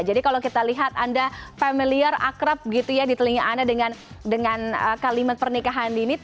jadi kalau kita lihat anda familiar akrab gitu ya di telinga anda dengan kalimat pernikahan dini